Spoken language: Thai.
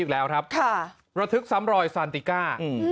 อีกแล้วครับค่ะระทึกซ้ำรอยซานติก้าอืม